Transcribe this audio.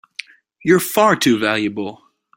You're far too valuable!